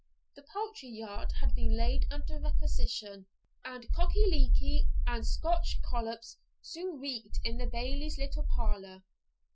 The poultry yard had been laid under requisition, and cockyleeky and Scotch collops soon reeked in the Bailie's little parlour.